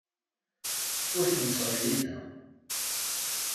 Ur tent-ttɣelliteɣ.